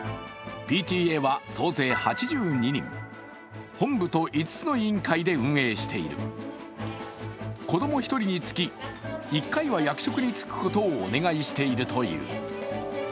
ＰＴＡは総勢８２人、本部と５つの委員会で運営している子供１人につき、１回は役職に就くことをお願いしているという。